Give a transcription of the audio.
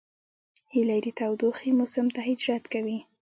هیلۍ د تودوخې موسم ته هجرت کوي